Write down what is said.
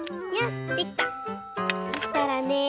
そしたらね